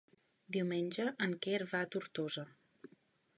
Diumenge en Quer va a Tortosa.